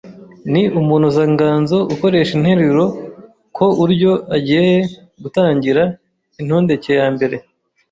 Ni umunozanganzo ukoresha interuro ku uryo agae gatangira intondeke ya mbere